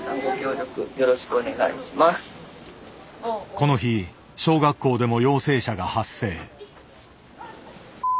この日小学校でも陽性者が発生。